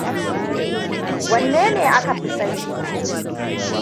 Wannene aka fi sani?